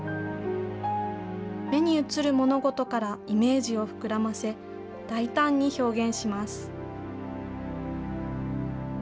目に映るものごとからイメージを膨らませ、大胆に表現します。